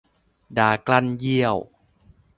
ดากลั้นเยี่ยว